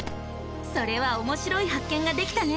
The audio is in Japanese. それはおもしろい発見ができたね！